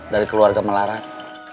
dari keluarga melarat